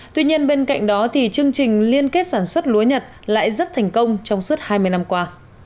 tuy nhiên bên cạnh đó chương trình liên kết sản xuất lúa nhật lại rất thành công trong suốt hai mươi năm qua